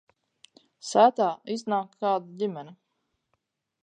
Sētā iznāk kāda ģimene.